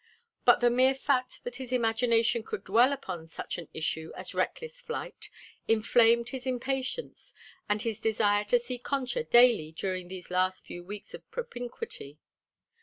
But the mere fact that his imagination could dwell upon such an issue as reckless flight, inflamed his impatience, and his desire to see Concha daily during these last few weeks of propinquity.